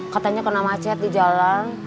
katanya kena macet di jalan